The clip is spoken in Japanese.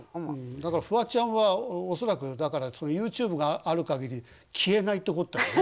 だからフワちゃんは恐らくだからＹｏｕＴｕｂｅがある限り消えないってこったよね。